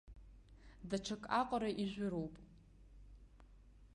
Даҽак аҟара ижәыроуп!